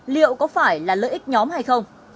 liệu có phải là lợi ích nhóm hay không